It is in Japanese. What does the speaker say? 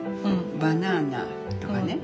バナナとかね。